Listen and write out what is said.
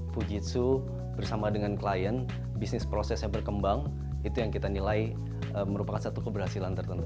fujitsu bersama dengan klien bisnis prosesnya berkembang itu yang kita nilai merupakan satu keberhasilan tertentu